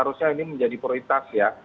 harusnya ini menjadi prioritas ya